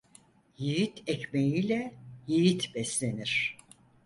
Yiğit ekmeğiyle yiğit beslenir.